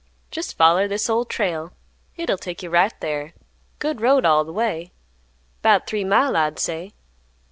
"Jest foller this Old Trail. Hit'll take you right thar. Good road all th' way. 'Bout three mile, I'd say.